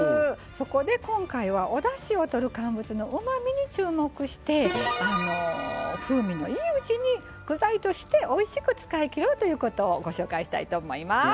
そこで今回はおだしをとる乾物のうまみに注目して風味のいいうちに具材としておいしく使いきるということをご紹介したいと思います。